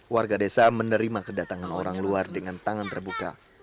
warga desa menerima kedatangan orang luar dengan tangan terbuka